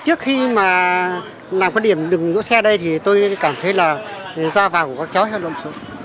trước khi mà làm cái điểm đứng đỗ xe đây thì tôi cảm thấy là ra vào của các cháu theo đoạn số